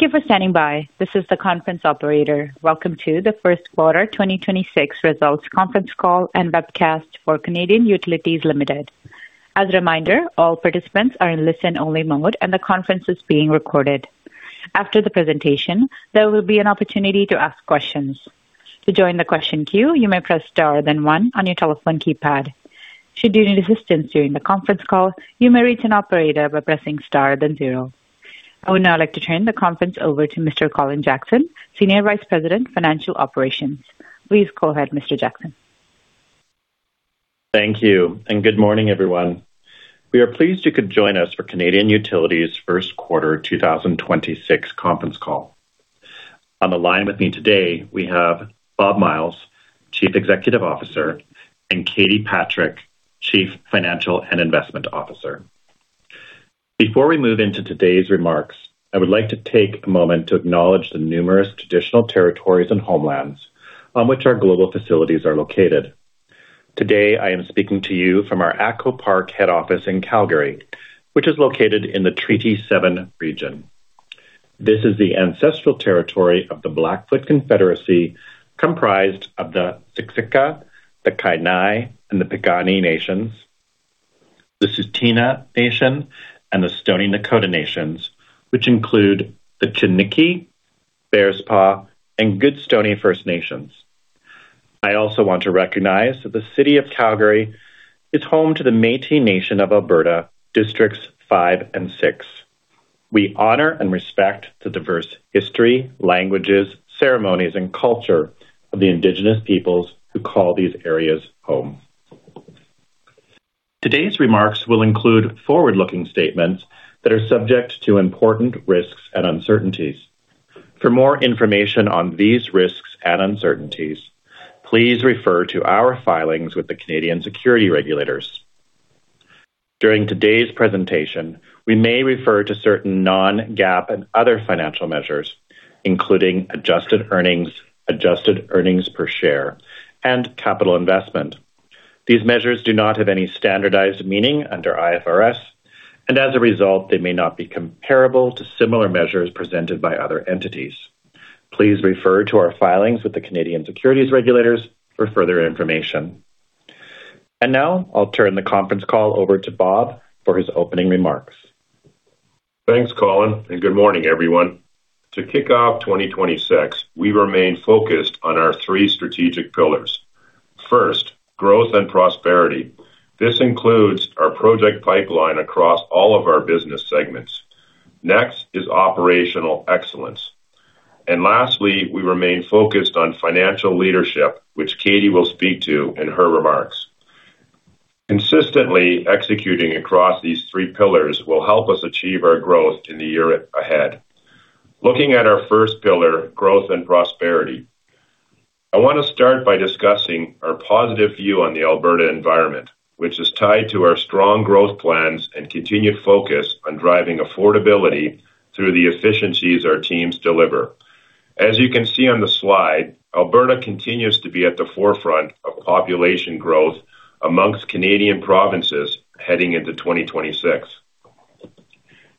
Thank you for standing by. This is the conference operator. Welcome to the First Quarter 2026 Results Conference Call and Webcast for Canadian Utilities Limited. I would now like to turn the conference over to Mr. Colin Jackson, Senior Vice President, Financial Operations. Please go ahead, Mr. Jackson. Thank you, good morning, everyone. We are pleased you could join us for Canadian Utilities first quarter 2026 conference call. On the line with me today, we have Bob Myles, Chief Executive Officer, and Katie Patrick, Chief Financial and Investment Officer. Before we move into today's remarks, I would like to take a moment to acknowledge the numerous traditional territories and homelands on which our global facilities are located. Today, I am speaking to you from our ATCO Park head office in Calgary, which is located in the Treaty Seven region. This is the ancestral territory of the Blackfoot Confederacy, comprised of the Siksika, the Kainai and the Piikani nations, the Tsuut'ina nation, and the Stoney Nakoda nations, which include the Chiniki, Bearspaw, and Goodstoney First Nations. I also want to recognize that the City of Calgary is home to the Métis Nation of Alberta, Districts 5 and 6. We honor and respect the diverse history, languages, ceremonies, and culture of the indigenous peoples who call these areas home. Today's remarks will include forward-looking statements that are subject to important risks and uncertainties. For more information on these risks and uncertainties, please refer to our filings with the Canadian securities regulators. During today's presentation, we may refer to certain non-GAAP and other financial measures, including adjusted earnings, adjusted earnings per share, and capital investment. These measures do not have any standardized meaning under IFRS. As a result, they may not be comparable to similar measures presented by other entities. Please refer to our filings with the Canadian securities regulators for further information. Now I'll turn the conference call over to Bob for his opening remarks. Thanks, Colin, and good morning, everyone. To kick off 2026, we remain focused on our three strategic pillars. First, growth and prosperity. This includes our project pipeline across all of our business segments. Next is operational excellence. Lastly, we remain focused on financial leadership, which Katie will speak to in her remarks. Consistently executing across these three pillars will help us achieve our growth in the year ahead. Looking at our first pillar, growth and prosperity, I want to start by discussing our positive view on the Alberta environment, which is tied to our strong growth plans and continued focus on driving affordability through the efficiencies our teams deliver. As you can see on the slide, Alberta continues to be at the forefront of population growth amongst Canadian provinces heading into 2026.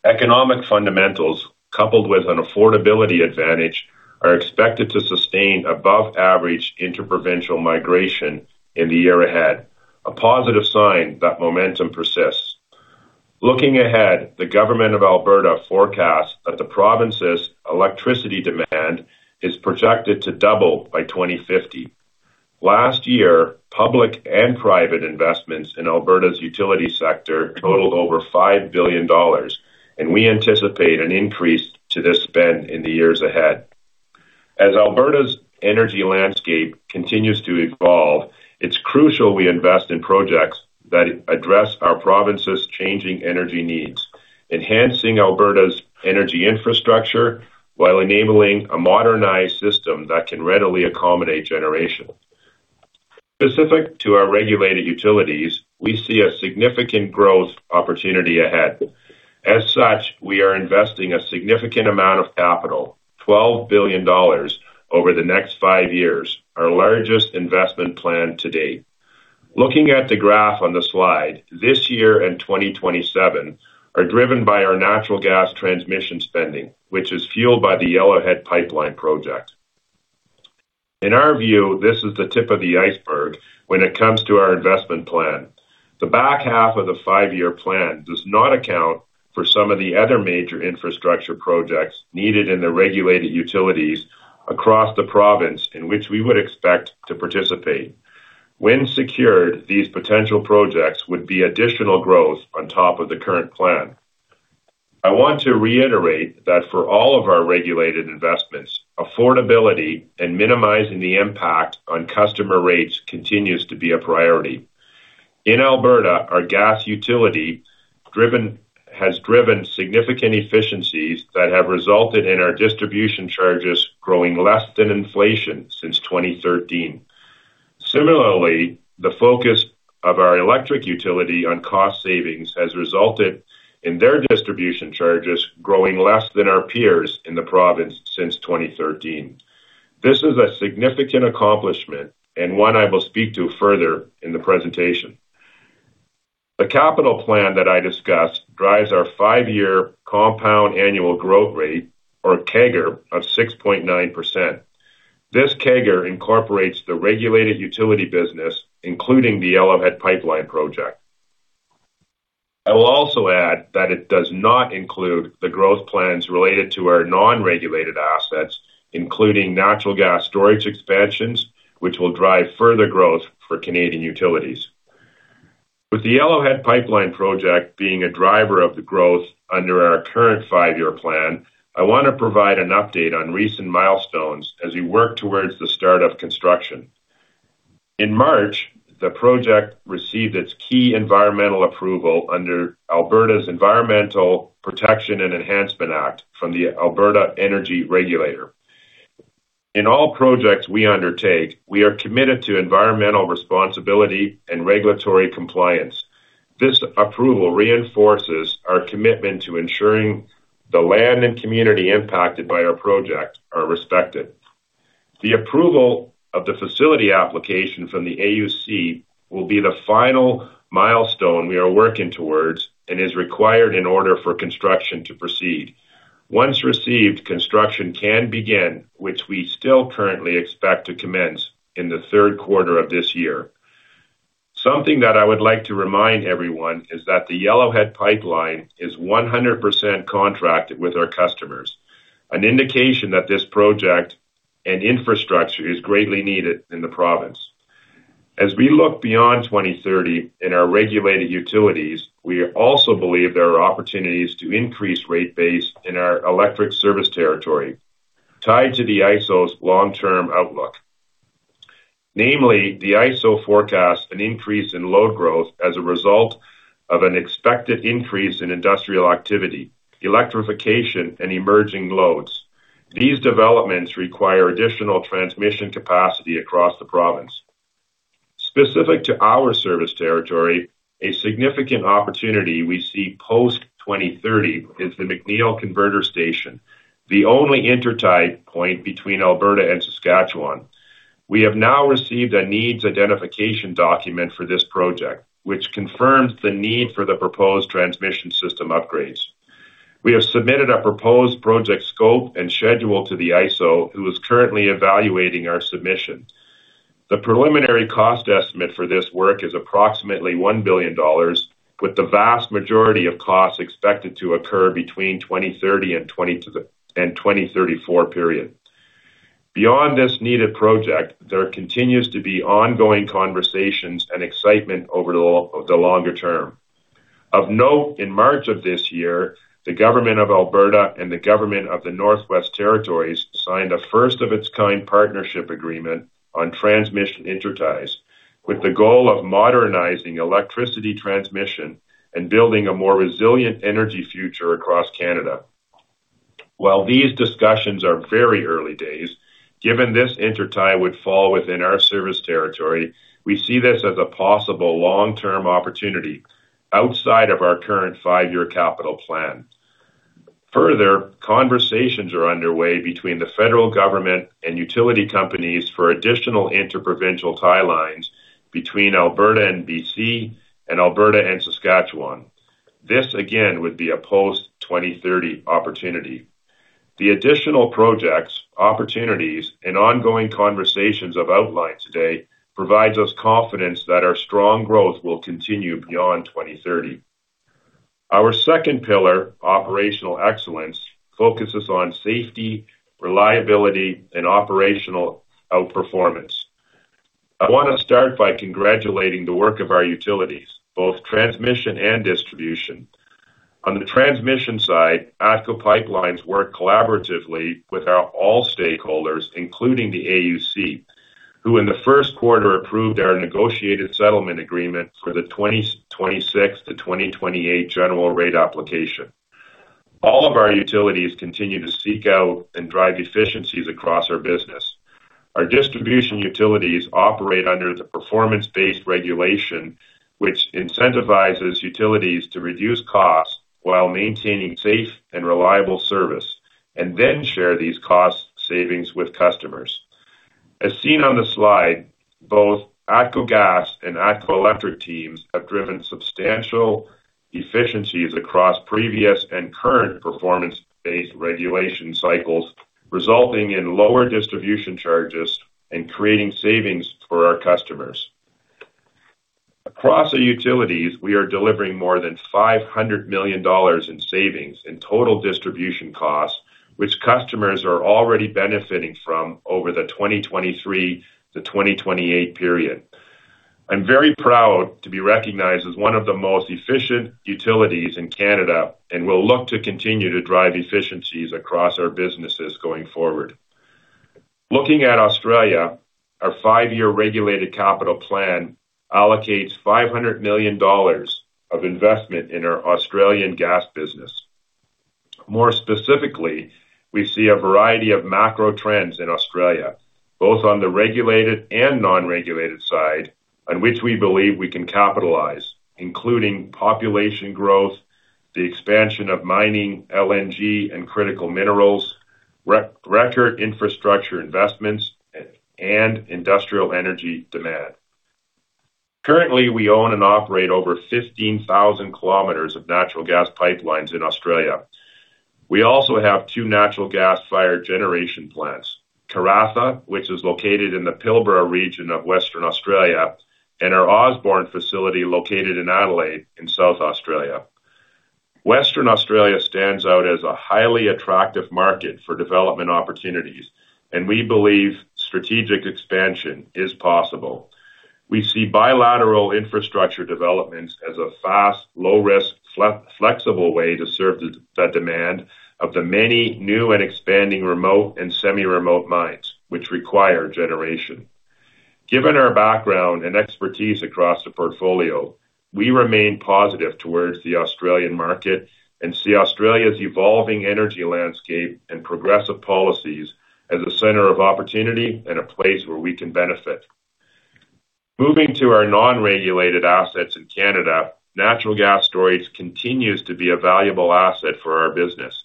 Economic fundamentals, coupled with an affordability advantage, are expected to sustain above average inter-provincial migration in the year ahead, a positive sign that momentum persists. Looking ahead, the government of Alberta forecasts that the province's electricity demand is projected to double by 2050. Last year, public and private investments in Alberta's utility sector totaled over 5 billion dollars, and we anticipate an increase to this spend in the years ahead. As Alberta's energy landscape continues to evolve, it's crucial we invest in projects that address our province's changing energy needs, enhancing Alberta's energy infrastructure while enabling a modernized system that can readily accommodate generation. Specific to our regulated utilities, we see a significant growth opportunity ahead. As such, we are investing a significant amount of capital, 12 billion dollars over the next five years, our largest investment plan to date. Looking at the graph on the slide, this year and 2027 are driven by our natural gas transmission spending, which is fueled by the Yellowhead Pipeline project. In our view, this is the tip of the iceberg when it comes to our investment plan. The back half of the five-year plan does not account for some of the other major infrastructure projects needed in the regulated utilities across the province in which we would expect to participate. When secured, these potential projects would be additional growth on top of the current plan. I want to reiterate that for all of our regulated investments, affordability and minimizing the impact on customer rates continues to be a priority. In Alberta, our gas utility has driven significant efficiencies that have resulted in our distribution charges growing less than inflation since 2013. Similarly, the focus of our electric utility on cost savings has resulted in their distribution charges growing less than our peers in the province since 2013. This is a significant accomplishment and one I will speak to further in the presentation. The capital plan that I discussed drives our five-year compound annual growth rate, or CAGR, of 6.9%. This CAGR incorporates the regulated utility business, including the Yellowhead Pipeline Project. I will also add that it does not include the growth plans related to our non-regulated assets, including natural gas storage expansions, which will drive further growth for Canadian Utilities. With the Yellowhead Pipeline Project being a driver of the growth under our current five-year plan, I want to provide an update on recent milestones as we work towards the start of construction. In March, the project received its key environmental approval under Alberta's Environmental Protection and Enhancement Act from the Alberta Energy Regulator. In all projects we undertake, we are committed to environmental responsibility and regulatory compliance. This approval reinforces our commitment to ensuring the land and community impacted by our project are respected. The approval of the facility application from the AUC will be the final milestone we are working towards and is required in order for construction to proceed. Once received, construction can begin, which we still currently expect to commence in the third quarter of this year. Something that I would like to remind everyone is that the Yellowhead Pipeline is 100% contracted with our customers, an indication that this project and infrastructure is greatly needed in the province. As we look beyond 2030 in our regulated utilities, we also believe there are opportunities to increase rate base in our electric service territory tied to the ISO's long-term outlook. Namely, the ISO forecasts an increase in load growth as a result of an expected increase in industrial activity, electrification, and emerging loads. These developments require additional transmission capacity across the province. Specific to our service territory, a significant opportunity we see post 2030 is the McNeill Converter Station, the only intertie point between Alberta and Saskatchewan. We have now received a needs identification document for this project, which confirms the need for the proposed transmission system upgrades. We have submitted a proposed project scope and schedule to the ISO, who is currently evaluating our submission. The preliminary cost estimate for this work is approximately 1 billion dollars, with the vast majority of costs expected to occur between 2030 and 2034 period. Beyond this needed project, there continues to be ongoing conversations and excitement over the longer term. Of note, in March of this year, the Government of Alberta and the Government of the Northwest Territories signed a first-of-its-kind partnership agreement on transmission interties with the goal of modernizing electricity transmission and building a more resilient energy future across Canada. These discussions are very early days, given this intertie would fall within our service territory, we see this as a possible long-term opportunity outside of our current five-year capital plan. Further conversations are underway between the federal government and utility companies for additional inter-provincial tie lines between Alberta and B.C. and Alberta and Saskatchewan. This, again, would be a post 2030 opportunity. The additional projects, opportunities, and ongoing conversations I've outlined today provides us confidence that our strong growth will continue beyond 2030. Our second pillar, operational excellence, focuses on safety, reliability, and operational outperformance. I want to start by congratulating the work of our utilities, both transmission and distribution. On the transmission side, ATCO Pipelines work collaboratively with our all stakeholders, including the AUC, who in the first quarter approved our negotiated settlement agreement for the 2026 to 2028 general rate application. All of our utilities continue to seek out and drive efficiencies across our business. Our distribution utilities operate under the performance-based regulation, which incentivizes utilities to reduce costs while maintaining safe and reliable service, and then share these cost savings with customers. As seen on the slide, both ATCO Gas and ATCO Electric teams have driven substantial efficiencies across previous and current performance-based regulation cycles, resulting in lower distribution charges and creating savings for our customers. Across the utilities, we are delivering more than 500 million dollars in savings in total distribution costs, which customers are already benefiting from over the 2023 to 2028 period. I'm very proud to be recognized as one of the most efficient utilities in Canada, and we'll look to continue to drive efficiencies across our businesses going forward. Looking at Australia, our five-year regulated capital plan allocates 500 million dollars of investment in our Australian gas business. More specifically, we see a variety of macro trends in Australia, both on the regulated and non-regulated side, on which we believe we can capitalize, including population growth, the expansion of mining, LNG, and critical minerals record infrastructure investments and industrial energy demand. Currently, we own and operate over 15,000 kilometers of natural gas pipelines in Australia. We also have two natural gas-fired generation plants, Karratha, which is located in the Pilbara region of Western Australia, and our Osborne facility located in Adelaide in South Australia. Western Australia stands out as a highly attractive market for development opportunities, and we believe strategic expansion is possible. We see bilateral infrastructure developments as a fast, low-risk, flexible way to serve the demand of the many new and expanding remote and semi-remote mines, which require generation. Given our background and expertise across the portfolio, we remain positive towards the Australian market and see Australia's evolving energy landscape and progressive policies as a center of opportunity and a place where we can benefit. Moving to our non-regulated assets in Canada, natural gas storage continues to be a valuable asset for our business.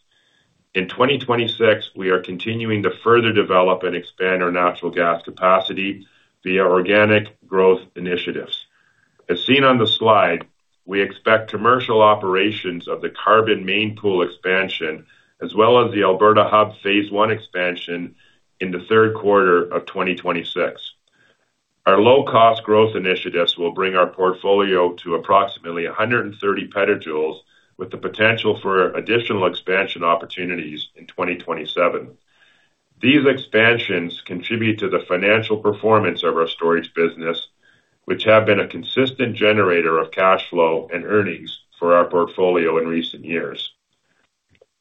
In 2026, we are continuing to further develop and expand our natural gas capacity via organic growth initiatives. As seen on the slide, we expect commercial operations of the Carbon Main pool expansion as well as the Alberta Hub Phase One expansion in the third quarter of 2026. Our low-cost growth initiatives will bring our portfolio to approximately 130 PJ with the potential for additional expansion opportunities in 2027. These expansions contribute to the financial performance of our storage business, which have been a consistent generator of cash flow and earnings for our portfolio in recent years.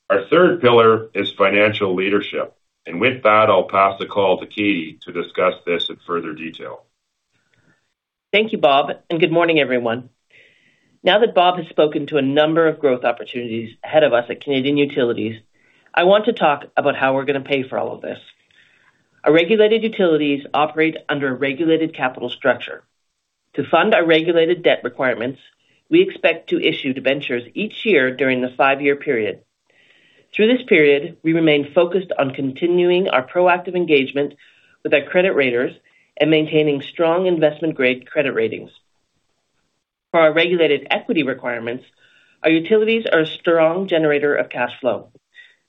Our third pillar is financial leadership. With that, I'll pass the call to Katie to discuss this in further detail. Thank you, Bob. Good morning, everyone. Now that Bob has spoken to a number of growth opportunities ahead of us at Canadian Utilities, I want to talk about how we're gonna pay for all of this. Our regulated utilities operate under a regulated capital structure. To fund our regulated debt requirements, we expect to issue debentures each year during the five-year period. Through this period, we remain focused on continuing our proactive engagement with our credit raters and maintaining strong investment-grade credit ratings. For our regulated equity requirements, our utilities are a strong generator of cash flow.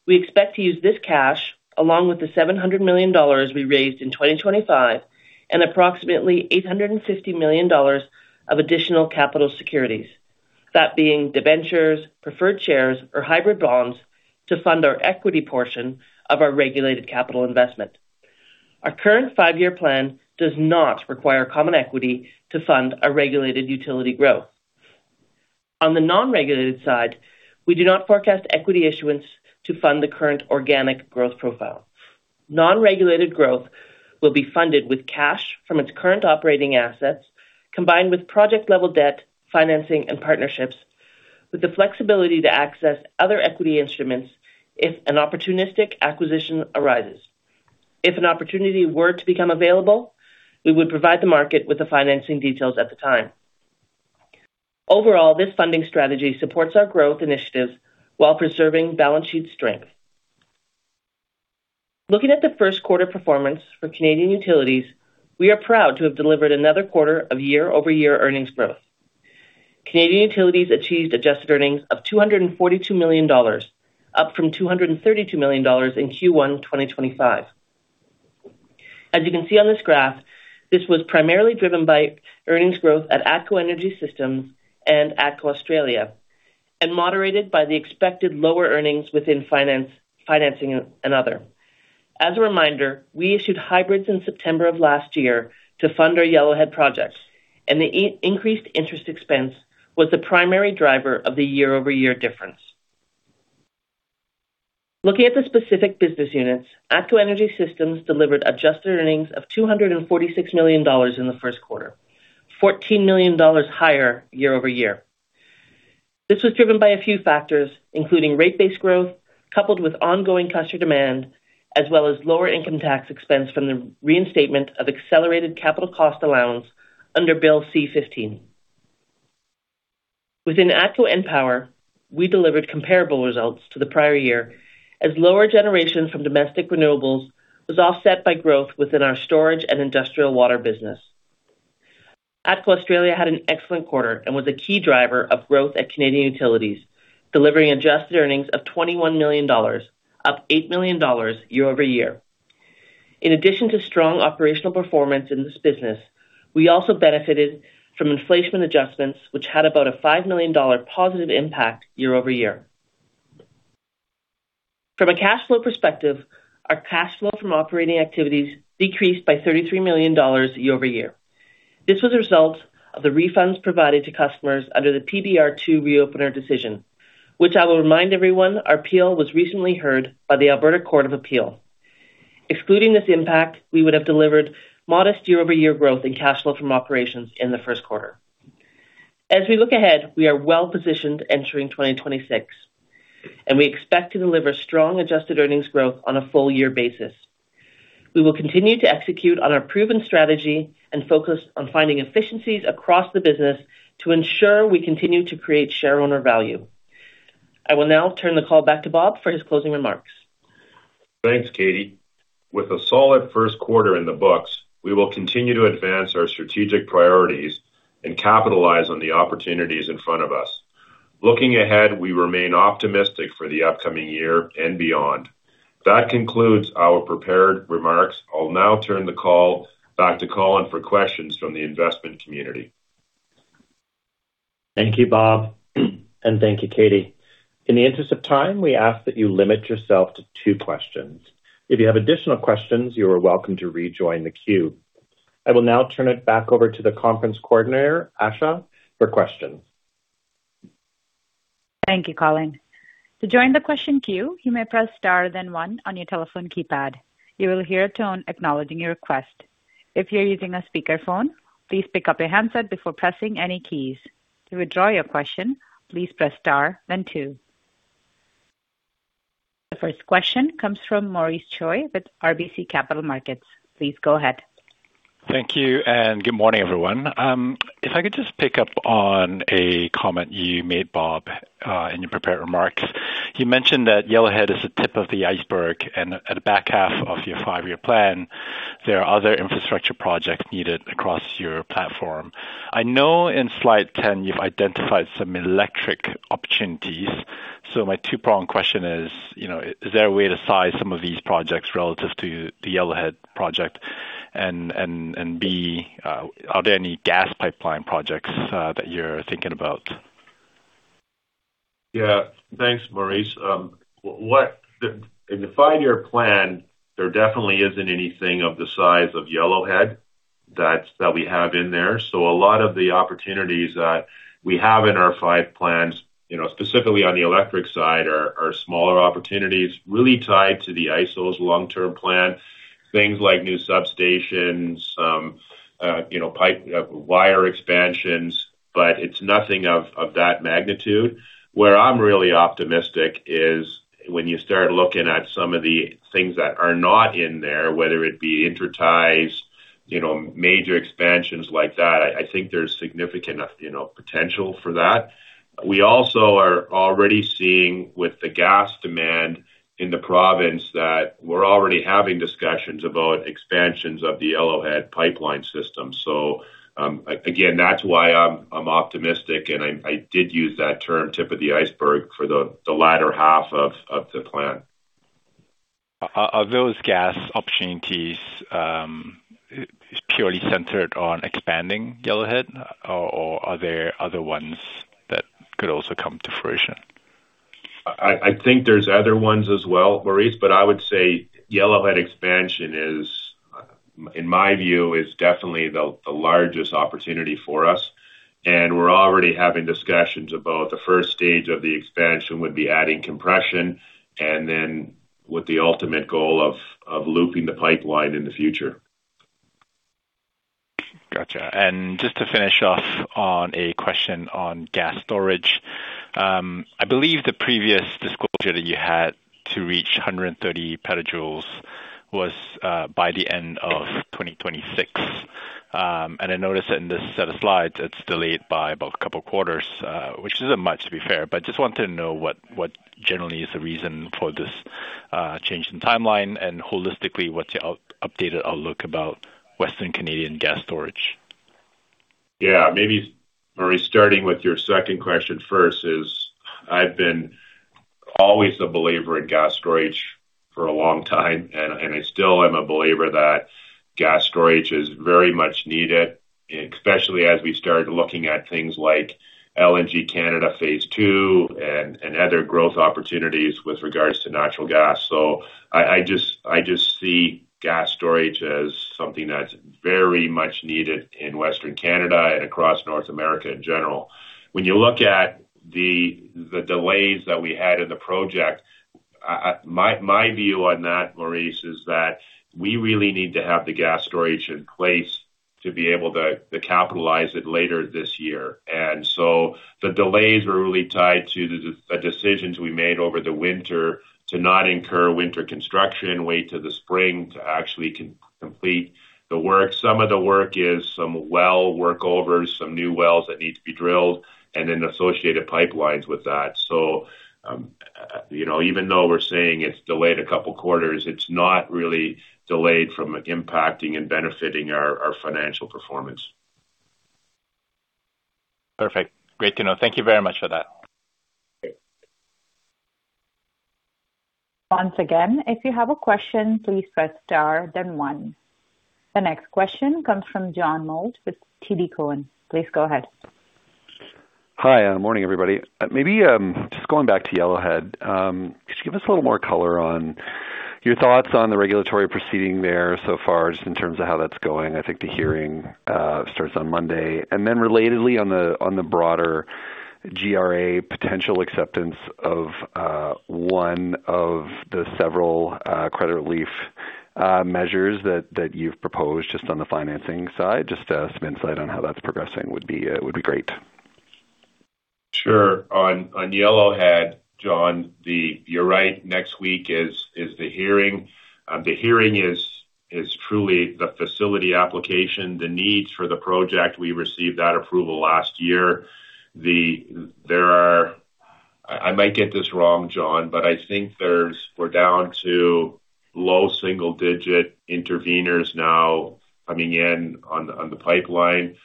We expect to use this cash along with the 700 million dollars we raised in 2025 and approximately 850 million dollars of additional capital securities, that being debentures, preferred shares or hybrid bonds to fund our equity portion of our regulated capital investment. Our current five-year plan does not require common equity to fund our regulated utility growth. On the non-regulated side, we do not forecast equity issuance to fund the current organic growth profile. Non-regulated growth will be funded with cash from its current operating assets, combined with project-level debt, financing and partnerships, with the flexibility to access other equity instruments if an opportunistic acquisition arises. If an opportunity were to become available, we would provide the market with the financing details at the time. Overall, this funding strategy supports our growth initiatives while preserving balance sheet strength. Looking at the first quarter performance for Canadian Utilities, we are proud to have delivered another quarter of year-over-year earnings growth. Canadian Utilities achieved adjusted earnings of 242 million dollars, up from 232 million dollars in Q1 2025. As you can see on this graph, this was primarily driven by earnings growth at ATCO Energy Systems and ATCO Australia, and moderated by the expected lower earnings within finance, financing and other. As a reminder, we issued hybrids in September of last year to fund our Yellowhead projects, and the increased interest expense was the primary driver of the year-over-year difference. Looking at the specific business units, ATCO Energy Systems delivered adjusted earnings of 246 million dollars in the first quarter, 14 million dollars higher year-over-year. This was driven by a few factors, including rate base growth coupled with ongoing customer demand, as well as lower income tax expense from the reinstatement of accelerated capital cost allowance under Bill C-15. Within ATCO EnPower, we delivered comparable results to the prior year as lower generation from domestic renewables was offset by growth within our Storage and Industrial Water business. ATCO Australia had an excellent quarter and was a key driver of growth at Canadian Utilities, delivering adjusted earnings of 21 million dollars, up 8 million dollars year-over-year. In addition to strong operational performance in this business, we also benefited from inflation adjustments, which had about a 5 million dollar positive impact year-over-year. From a cash flow perspective, our cash flow from operating activities decreased by 33 million dollars year-over-year. This was a result of the refunds provided to customers under the PBR2 reopener decision, which I will remind everyone, our appeal was recently heard by the Court of Appeal of Alberta. Excluding this impact, we would have delivered modest year-over-year growth in cash flow from operations in the first quarter. As we look ahead, we are well-positioned entering 2026, and we expect to deliver strong adjusted earnings growth on a full year basis. We will continue to execute on our proven strategy and focus on finding efficiencies across the business to ensure we continue to create shareowner value. I will now turn the call back to Bob for his closing remarks. Thanks, Katie. With a solid first quarter in the books, we will continue to advance our strategic priorities and capitalize on the opportunities in front of us. Looking ahead, we remain optimistic for the upcoming year and beyond. That concludes our prepared remarks. I'll now turn the call back to Colin for questions from the investment community. Thank you, Bob, and thank you, Katie. In the interest of time, we ask that you limit yourself to two questions. If you have additional questions, you are welcome to rejoin the queue. I will now turn it back over to the Conference Coordinator, Asha, for questions. Thank you, Colin. The first question comes from Maurice Choy with RBC Capital Markets. Please go ahead. Thank you. Good morning, everyone. If I could just pick up on a comment you made, Bob, in your prepared remarks. You mentioned that Yellowhead is the tip of the iceberg and at the back half of your five-year plan, there are other infrastructure projects needed across your platform. I know in slide 10 you've identified some electric opportunities. My two-prong question is, you know, is there a way to size some of these projects relative to the Yellowhead project? B, are there any gas pipeline projects that you're thinking about? Thanks, Maurice. In the five-year plan, there definitely isn't anything of the size of Yellowhead that we have in there. A lot of the opportunities that we have in our five plans, you know, specifically on the electric side, are smaller opportunities really tied to the ISO's long-term plan, things like new substations, you know, wire expansions, but it's nothing of that magnitude. Where I'm really optimistic is when you start looking at some of the things that are not in there, whether it be interties, you know, major expansions like that, I think there's significant, you know, potential for that. We also are already seeing with the gas demand in the province that we're already having discussions about expansions of the Yellowhead Pipeline system. Again, that's why I'm optimistic, and I did use that term tip of the iceberg for the latter half of the plan. Are those gas opportunities, purely centered on expanding Yellowhead? Or are there other ones that could also come to fruition? I think there's other ones as well, Maurice, but I would say Yellowhead expansion is, in my view, definitely the largest opportunity for us, and we're already having discussions about the first stage of the expansion would be adding compression and then with the ultimate goal of looping the pipeline in the future. Gotcha. Just to finish off on a question on gas storage. I believe the previous disclosure that you had to reach 130 PJ was by the end of 2026. I noticed that in this set of slides, it's delayed by about a couple quarters, which isn't much to be fair. Just want to know what generally is the reason for this change in timeline and holistically, what's your updated outlook about Western Canadian gas storage? Yeah. Maybe, Maurice, starting with your second question first is, I've been always a believer in gas storage for a long time, and I still am a believer that gas storage is very much needed, especially as we start looking at things like LNG Canada phase 2 and other growth opportunities with regards to natural gas. I just see gas storage as something that's very much needed in Western Canada and across North America in general. When you look at the delays that we had in the project, my view on that, Maurice, is that we really need to have the gas storage in place to be able to capitalize it later this year. The delays were really tied to the decisions we made over the winter to not incur winter construction, wait till the spring to actually complete the work. Some of the work is some well workovers, some new wells that need to be drilled, and then associated pipelines with that. You know, even though we're saying it's delayed a couple quarters, it's not really delayed from impacting and benefiting our financial performance. Perfect. Great to know. Thank you very much for that. Okay. The next question comes from John Mould with TD Cowen. Please go ahead. Hi, and morning everybody. Maybe, just going back to Yellowhead. Could you give us a little more color on your thoughts on the regulatory proceeding there so far, just in terms of how that's going? I think the hearing starts on Monday. Relatedly on the, on the broader GRA potential acceptance of 1 of the several credit relief measures that you've proposed just on the financing side, just some insight on how that's progressing would be great. Sure. On Yellowhead, John, you're right. Next week is the hearing. The hearing is truly the facility application, the needs for the project. We received that approval last year. I might get this wrong, John, but I think we're down to low single-digit interveners now coming in on the pipeline.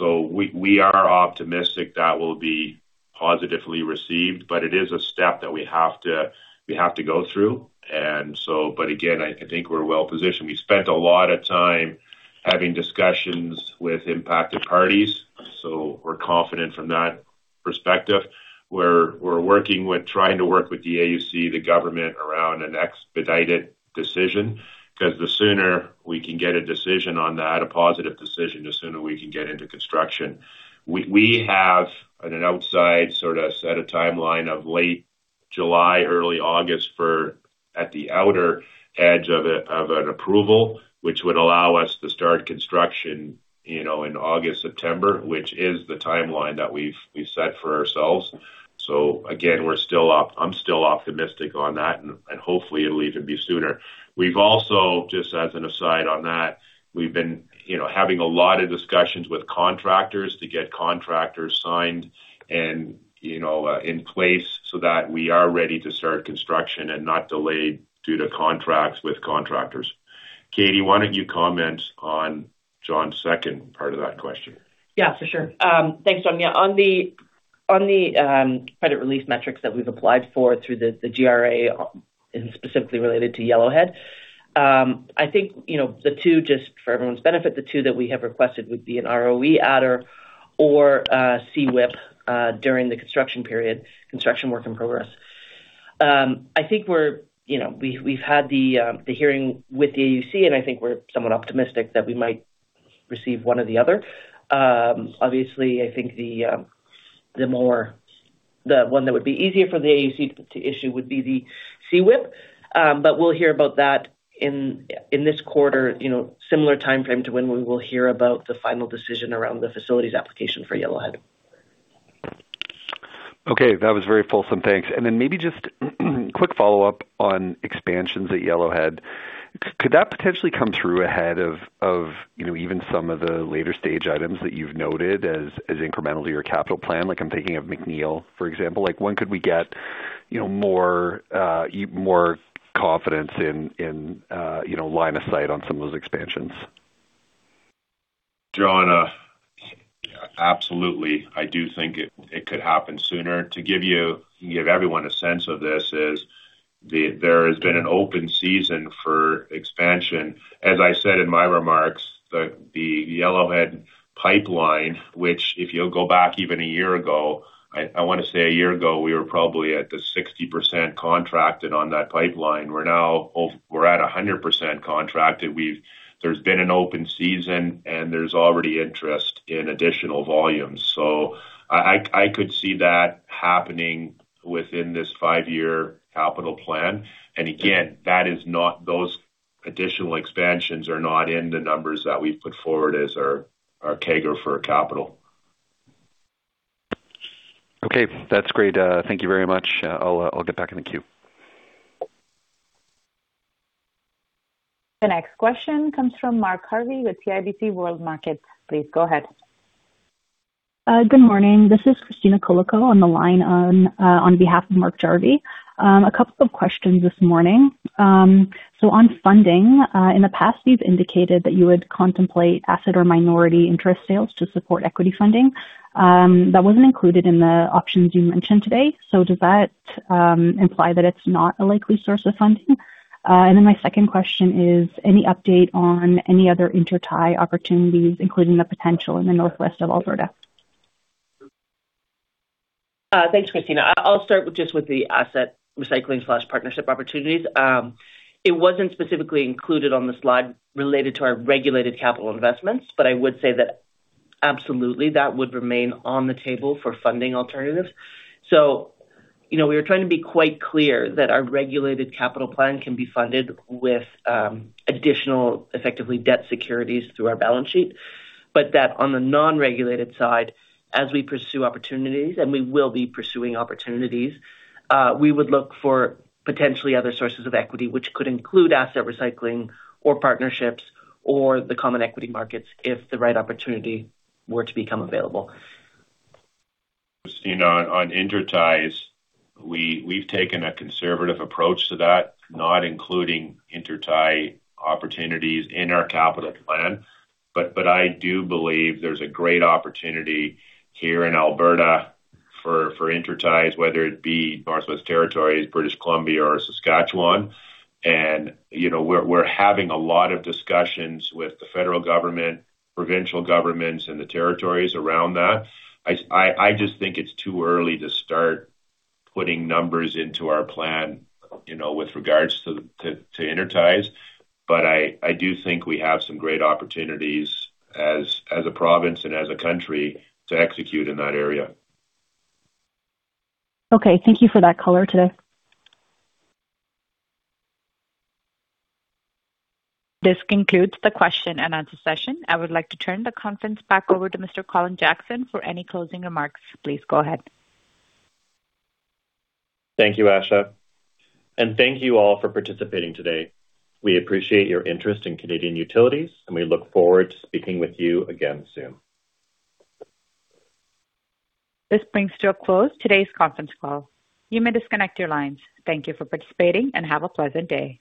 We are optimistic that will be positively received, but it is a step that we have to go through. Again, I think we're well-positioned. We spent a lot of time having discussions with impacted parties, so we're confident from that perspective. We're trying to work with the AUC, the government around an expedited decision because the sooner we can get a decision on that, a positive decision, the sooner we can get into construction. We have an outside sort of set a timeline of late July, early August for at the outer edge of an approval, which would allow us to start construction, you know, in August, September, which is the timeline that we've set for ourselves. Again, I'm still optimistic on that and hopefully it'll even be sooner. We've also, just as an aside on that, we've been, you know, having a lot of discussions with contractors to get contractors signed and, you know, in place so that we are ready to start construction and not delayed due to contracts with contractors. Katie, why don't you comment on John's second part of that question? Yeah, for sure. Thanks, John. On the credit release metrics that we've applied for through the GRA and specifically related to Yellowhead, I think, you know, the two, just for everyone's benefit, the two that we have requested would be an ROE adder or a CWIP during the construction period, construction work in progress. I think we're, you know, we've had the hearing with the AUC, and I think we're somewhat optimistic that we might receive one or the other. Obviously, I think the one that would be easier for the AUC to issue would be the CWIP. We'll hear about that in this quarter, you know, similar timeframe to when we will hear about the final decision around the facilities application for Yellowhead. Okay. That was very fulsome. Thanks. Maybe just quick follow-up on expansions at Yellowhead. Could that potentially come through ahead of, you know, even some of the later-stage items that you've noted incremental to your capital plan? Like, I'm thinking of McNeill, for example. Like, when could we get, you know, more confidence, you know, line of sight on some of those expansions? John, absolutely. I do think it could happen sooner. To give everyone a sense, there has been an open season for expansion. As I said in my remarks, the Yellowhead Pipeline, which if you'll go back even one year ago, I want to say one year ago, we were probably at the 60% contracted on that pipeline. We're now at 100% contracted. There's been an open season, and there's already interest in additional volumes. I, I could see that happening within this five-year capital plan. Again, those additional expansions are not in the numbers that we've put forward as our CAGR for capital. Okay. That's great. Thank you very much. I'll get back in the queue. The next question comes from Mark Jarvi with CIBC Capital Markets. Please go ahead. Good morning. This is Kristina Kulikow on the line on behalf of Mark Jarvi. A couple of questions this morning. On funding, in the past, you've indicated that you would contemplate asset or minority interest sales to support equity funding, that wasn't included in the options you mentioned today. Does that imply that it's not a likely source of funding? My second question is any update on any other intertie opportunities, including the potential in the northwest of Alberta? Thanks, Kristina. I'll start with the asset recycling slash partnership opportunities. It wasn't specifically included on the slide related to our regulated capital investments, I would say that absolutely that would remain on the table for funding alternatives. You know, we were trying to be quite clear that our regulated capital plan can be funded with additional, effectively, debt securities through our balance sheet. That on the non-regulated side, as we pursue opportunities, and we will be pursuing opportunities, we would look for potentially other sources of equity, which could include asset recycling or partnerships or the common equity markets if the right opportunity were to become available. Kristina, on interties, we've taken a conservative approach to that, not including intertie opportunities in our capital plan. I do believe there's a great opportunity here in Alberta for interties, whether it be Northwest Territories, British Columbia, or Saskatchewan. You know, we're having a lot of discussions with the federal government, provincial governments, and the territories around that. I just think it's too early to start putting numbers into our plan, you know, with regards to interties. I do think we have some great opportunities as a province and as a country to execute in that area. Okay. Thank you for that color today. This concludes the question-and-answer session. I would like to turn the conference back over to Mr. Colin Jackson for any closing remarks. Please go ahead. Thank you, Asha. Thank you all for participating today. We appreciate your interest in Canadian Utilities. We look forward to speaking with you again soon. This brings to a close today's conference call. You may disconnect your lines. Thank you for participating, and have a pleasant day.